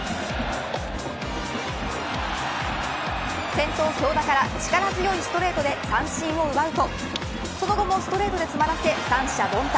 先頭京田から力強いストレートで三振を奪うとその後もストレートで詰まらせ三者凡退。